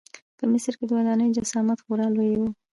په مصر کې د ودانیو جسامت خورا لوی و.